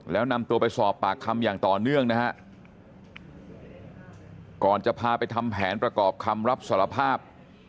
แล้วนำตัวไปสอบปากคำอย่างต่อเนื่องนะฮะก่อนจะพาไปทำแผนประกอบคำรับสารภาพ